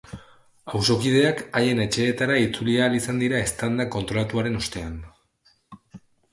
Auzokideak haien etxeetara itzuli ahal izan dira eztanda kontrolatuaren ostean.